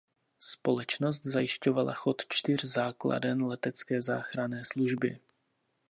Společnost zajišťovala chod čtyř základen letecké záchranné služby.